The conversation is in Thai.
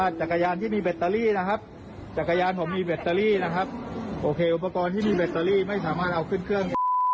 ที่มีแบตเตอรี่ไม่สามารถเอาขึ้นเครื่อง